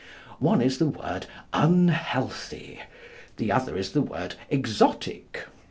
One is the word 'unhealthy,' the other is the word 'exotic.